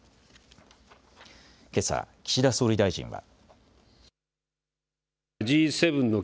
けさ岸田総理大臣は。